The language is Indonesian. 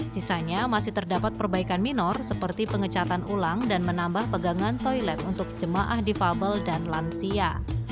sisanya masih terdapat perbaikan minor seperti pengecatan ulang dan menambah pegangan toilet untuk jemaah difabel dan lansia